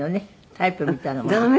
タイプみたいなものは。